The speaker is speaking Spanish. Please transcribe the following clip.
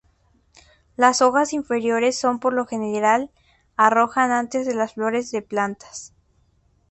Las hojas inferiores son por lo general arrojan antes de las flores de plantas.